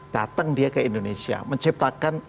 datang dia ke indonesia menciptakan